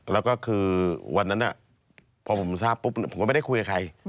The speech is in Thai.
แล้วก็คือวันนั้นพอผมทราบปุ๊บผมก็ไม่ได้คุยกับใคร